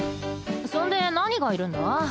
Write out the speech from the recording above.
そんで何がいるんだ？